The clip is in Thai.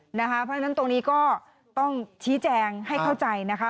เพราะฉะนั้นตรงนี้ก็ต้องชี้แจงให้เข้าใจนะคะ